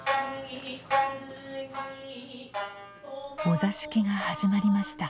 お座敷が始まりました。